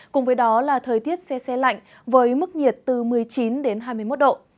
cùng với đó là thời tiết xe xe lạnh với mức nhiệt từ một mươi chín đến hai mươi một độ